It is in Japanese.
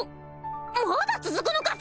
まだ続くのか！？